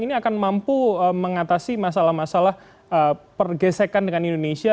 ini akan mampu mengatasi masalah masalah pergesekan dengan indonesia